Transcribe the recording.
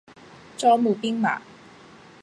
招募兵马。